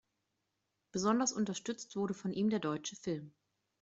Besonders unterstützt wurde von ihm der deutsche Film.